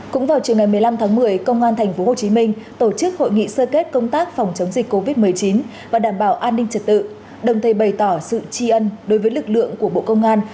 cũng vào chiều ngày một mươi năm tháng một mươi công an tp hcm tổ chức hội nghị sơ kết công tác phòng chống dịch covid một mươi chín và đảm bảo an ninh trật tự đồng thời bày tỏ sự tri ân đối với lực lượng của bộ công an